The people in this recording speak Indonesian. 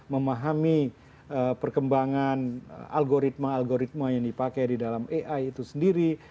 memahami perkembangan algoritma algoritma yang dipakai di dalam ai itu sendiri